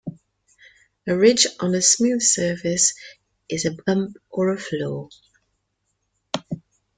A ridge on a smooth surface is a bump or flaw.